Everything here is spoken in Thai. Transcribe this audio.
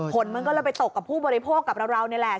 ผลมันก็เลยไปตกกับผู้บริโภคกับเรานี่แหละ